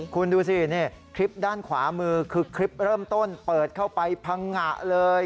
คุณดูสินี่คลิปด้านขวามือคือคลิปเริ่มต้นเปิดเข้าไปพังงะเลย